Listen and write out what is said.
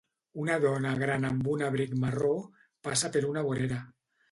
Una dona gran amb un abric marró passa per una vorera